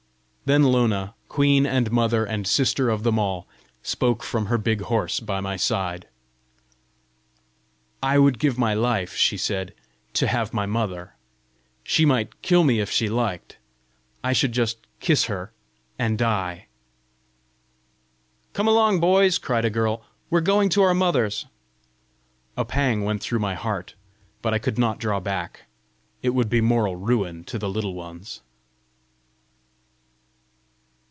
Then Lona, queen and mother and sister of them all, spoke from her big horse by my side: "I would give my life," she said, "to have my mother! She might kill me if she liked! I should just kiss her and die!" "Come along, boys!" cried a girl. "We're going to our mothers!" A pang went through my heart. But I could not draw back; it would be moral ruin to the Little Ones!